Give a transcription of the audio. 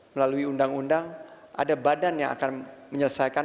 melalui undang undang ada badan yang akan menyelesaikan